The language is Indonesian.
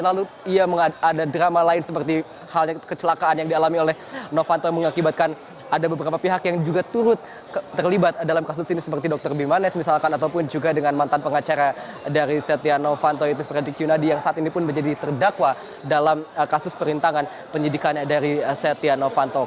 lalu ia ada drama lain seperti halnya kecelakaan yang dialami oleh novanto yang mengakibatkan ada beberapa pihak yang juga turut terlibat dalam kasus ini seperti dr bimanes misalkan ataupun juga dengan mantan pengacara dari setia novanto yaitu fredrik yunadi yang saat ini pun menjadi terdakwa dalam kasus perintangan penyidikan dari setia novanto